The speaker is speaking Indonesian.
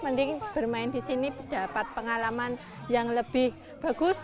mending bermain di sini dapat pengalaman yang lebih bagus